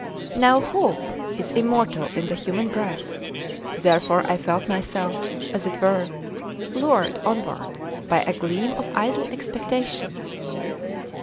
Now hope is immortal in the human breast; therefore I felt myself, as it were, lured onward by a gleam of idle expectation.